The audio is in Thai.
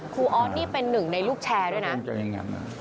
ออสนี่เป็นหนึ่งในลูกแชร์ด้วยนะ